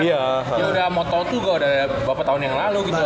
ya udah moto tuh udah beberapa tahun yang lalu